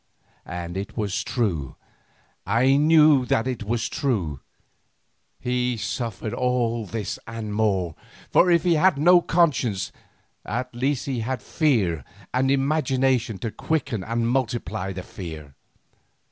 And it was true—I knew that it was true; he suffered all this and more, for if he had no conscience, at least he had fear and imagination to quicken and multiply the fear.